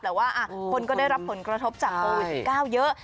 แต่ว่าคนก็ได้รับผลกระทบจากโอวิทย์สี่เก้าเยอะ